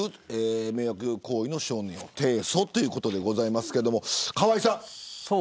迷惑行為の少年を提訴ということですが、河井さん。